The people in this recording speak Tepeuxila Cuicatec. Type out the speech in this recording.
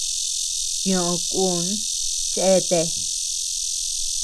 Tioʼö kun cheatea.